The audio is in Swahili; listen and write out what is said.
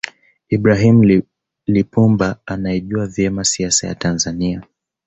ibrahim Lipumba anaijua vyema siasa ya tanzania